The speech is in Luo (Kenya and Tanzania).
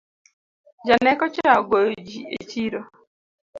Janeko cha ogoyo jii e chiro